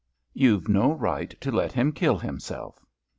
YouVe no right to let him kill himself.